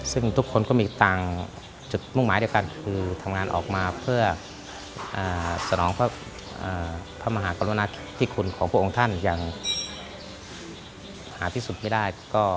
ซึ่งทุกคนก็มีต่างจุดมุ่งหมายเดียวกันคือทำงานออกมาเพื่อสนองพระมหากรุณาที่คุณของพระองค์ท่านอย่างหาที่สุดไม่ได้